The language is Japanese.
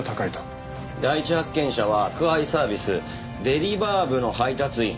第一発見者は宅配サービスデリバー部の配達員。